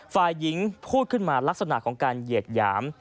ฝ่ายหญิงพูดขึ้นมาลักษณะของการเหยียดหยาม